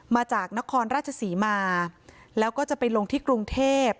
มาจากนครราชศรีมาแล้วก็จะไปลงที่กรุงเทพ